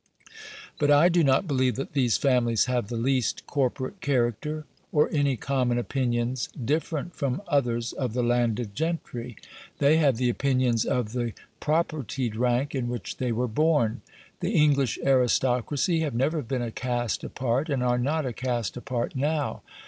But I do not believe that these families have the least corporate character, or any common opinions, different from others of the landed gentry. They have the opinions of the propertied rank in which they were born. The English aristocracy have never been a caste apart, and are not a caste apart now.